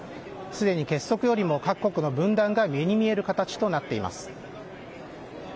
すでに結束よりも各国の分断が目に見える形となっています。